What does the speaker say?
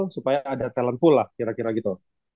supaya ada talent full lah kira kira gitu